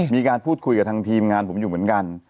มีการพูดคุยกับทางทีมงานผมอยู่เหมือนกัน